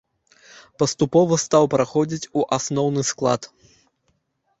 Паступова стаў праходзіць у асноўны склад.